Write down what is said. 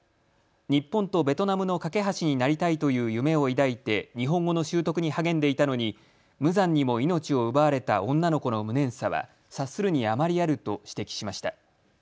日本とベトナムの懸け橋になりたいという夢を抱いて日本語の習得に励んでいたのに無残にも命を奪われた女の子の無念さは察するにあまりあると指摘しました。